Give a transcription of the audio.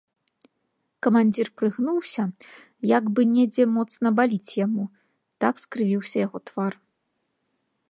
Камандзір прыгнуўся, як бы недзе моцна баліць яму, так скрывіўся яго твар.